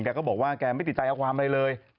ก็บอกว่าแกไม่ติดใจเอาความอะไรเลย